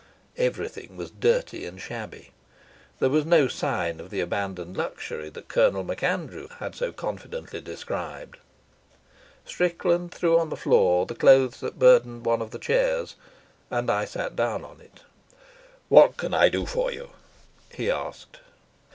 Everything was dirty and shabby. There was no sign of the abandoned luxury that Colonel MacAndrew had so confidently described. Strickland threw on the floor the clothes that burdened one of the chairs, and I sat down on it. "What can I do for you?" he asked.